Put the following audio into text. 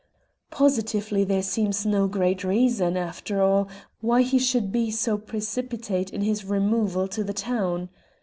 Positively there seems no great reason, after all, why he should be so precipitate in his removal to the town!